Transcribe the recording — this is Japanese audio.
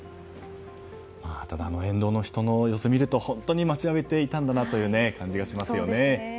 沿道の人の様子を見ると本当に待ちわびていたんだなという感じがしますね。